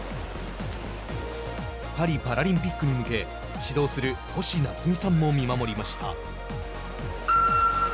パリパラリンピックに向け指導する星奈津美さんも見守りました。